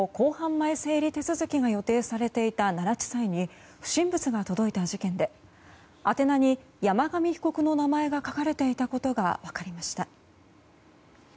前整理手続きが予定されていた奈良地裁に不審物が届いた事件で宛名に山上被告の名前が書かれていたことが分かりました。